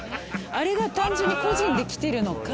あれが単純に個人で来てるのか。